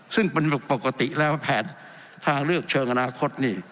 ซึ่งเป็นปกติแล้วแผนทางเลือกเชิงอนาคตนี่